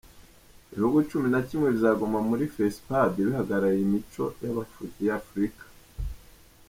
Ibihugu cumi na kimwe bizagaragara muri fesipadi bihagarariye imico y’Afurika